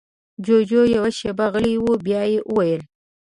جُوجُو يوه شېبه غلی و، بيا يې وويل: